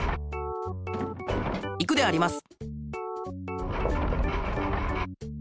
いくであります！